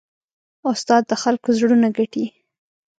استاد د خلکو زړونه ګټي.